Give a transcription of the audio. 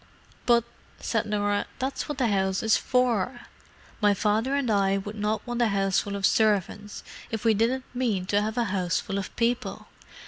"But," said Norah, "that's what the house is for. My father and I would not want a houseful of servants if we didn't mean to have a houseful of people.